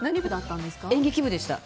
演劇部でした。